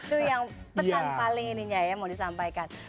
itu yang pesan paling ininya ya mau disampaikan